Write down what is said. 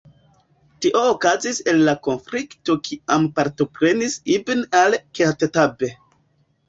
Tio okazis en la konflikto kiam partoprenis Ibn al-Khattab.